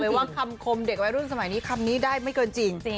ว่าคำคมเด็กวัยรุ่นสมัยนี้คำนี้ได้ไม่เกินจริง